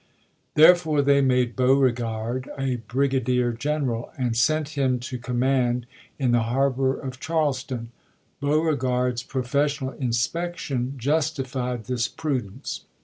L» p 259 Therefore they made Beauregard a brigadier general and sent him to command in the harbor of Charles ton. Beauregard's professional inspection justified this prudence.